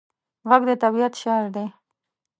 غږ د طبیعت شعر دی